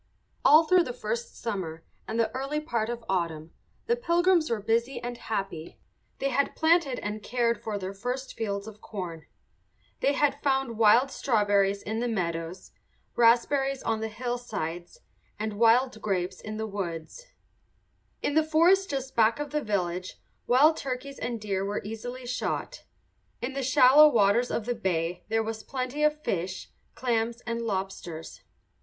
All through the first summer and the early part of autumn the Pilgrims were busy and happy. They had planted and cared for their first fields of corn. They had found wild strawberries in the meadows, raspberries on the hillsides, and wild grapes in the woods. [Footnote 5: From "Short Stories from American History," Ginn & Co.] In the forest just back of the village wild turkeys and deer were easily shot. In the shallow waters of the bay there was plenty of fish, clams, and lobsters.